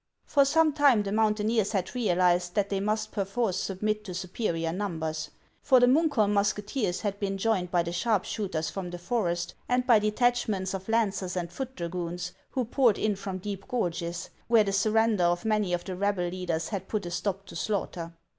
For some time the mountaineers had realized that they must perforce submit to superior numbers ; for the Munkholm musketeers had been joined by the sharp shooters from the forest, and by detachments of lancers and foot dragoons, who poured in from deep gorges, where the surrender of many of the rebel leaders had put a stop to slaughter.